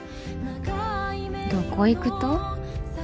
どこ行くと？